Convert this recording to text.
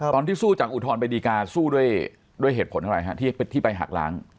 ตอนที่สู้จากอุทธรณไปดีกาสู้ด้วยเหตุผลอะไรฮะที่ไปหักล้าง